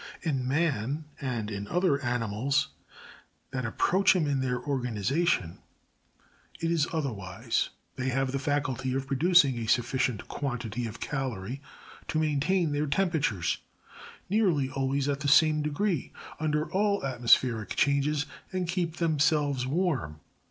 In man, and other animals that approach him in their organization, it is otherwise ; ihey have the faculty of producing a sufficient quantity of caloric to maintain their temperatures, nearly always at the same degree, under all atmospheric changes, and keep them selves warm.